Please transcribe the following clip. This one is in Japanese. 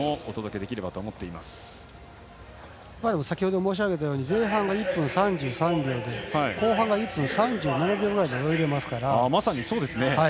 でも先ほど申し上げたように前半、１分３３で後半が１分３７秒くらいで泳いでますから。